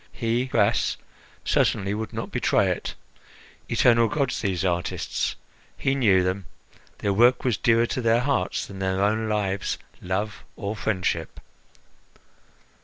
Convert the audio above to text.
He, Gras, certainly would not betray it. Eternal gods these artists! He knew them. Their work was dearer to their hearts than their own lives, love, or friendship.